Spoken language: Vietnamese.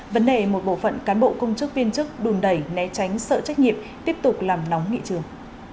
vấn đề một bộ phận cán bộ công chức viên chức đùn đẩy né tránh sợ trách nhiệm tiếp tục làm nóng nghị trường